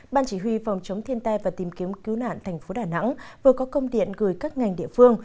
ban chỉ huy phòng chống thiên tai và tìm kiếm cứu nạn thành phố đà nẵng vừa có công điện gửi các ngành địa phương